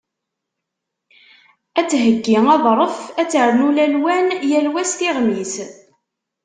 Ad theyyi aḍref, ad ternu lalwan, yal wa s tiɣmi-s.